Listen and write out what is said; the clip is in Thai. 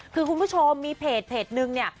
คือคุณผู้ชมมีเพจนึงเนี่ย